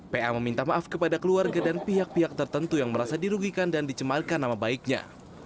pa meminta maaf kepada keluarga dan pihak pihak tertentu yang merasa dirugikan dan dicemalkan nama baiknya